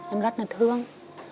em rất là thương